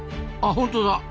あ本当だ。